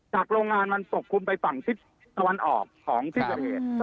จากโรงงานมันปกคลุมไปฝั่งทิศสวรรค์ออกของที่เจอเหตุ